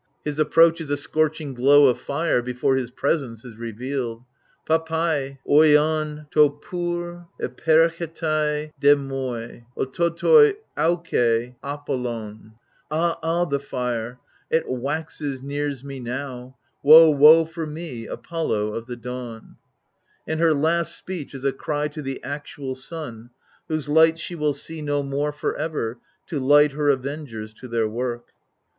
His approach is a scorching glow of fire, before his presence is revealed — iraTtu, dtov rb irOp' itripxcrai W fJUK* iroTdi A^K€i* "AiroWoy • Ah, ah the fire 1 it waxes, nears me now — Woe, woe for me, Apollo of the dawn I And her last speech is a cry to the actual sun, whose light she will see no more for ever, to light her avengers to their work.